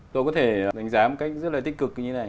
tôi có thể đánh giá một cách rất là tích cực như thế này